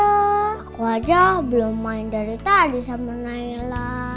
aku aja belum main dari tadi sama nailah